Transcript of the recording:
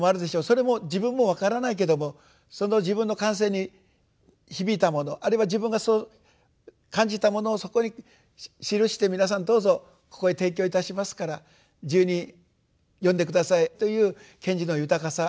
それも自分も分からないけどもその「自分の感性に響いたものあるいは自分がそう感じたものをそこに記して皆さんどうぞここへ提供いたしますから自由に読んで下さい」という賢治の豊かさ。